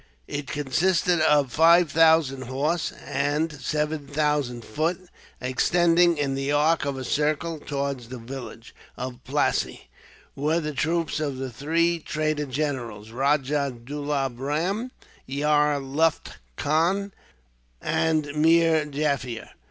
It consisted of five thousand horse, and seven thousand foot. Extending, in the arc of a circle, towards the village of Plassey, were the troops of the three traitor generals Rajah Dulab Ram, Yar Lutf Khan, and Meer Jaffier.